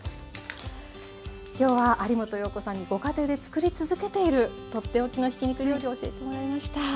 今日は有元葉子さんにご家庭でつくり続けている取って置きのひき肉料理教えてもらいました。